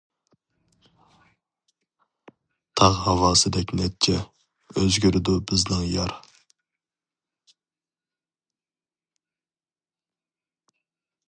تاغ ھاۋاسىدەك نەچچە، ئۆزگىرىدۇ بىزنىڭ يار.